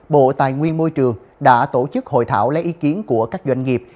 bộ tài nguyên môi trường đã tổ chức hội thảo lấy ý kiến của các doanh nghiệp